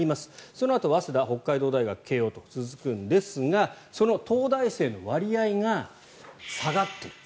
そのあと早稲田、北海道大学慶應と続くんですがその東大生の割合が下がっている。